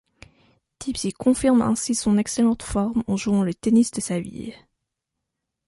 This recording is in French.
Tipsy confirme ainsi son excellente forme en jouant le tennis de sa vie.